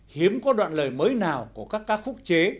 hiếm có đoạn lời mới nào của các ca khúc chế